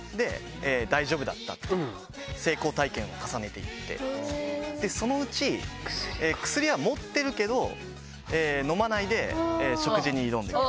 大丈夫だったという成功体験を重ねていって、そのうち、薬は持ってるけどのまないで食事に挑んでみる。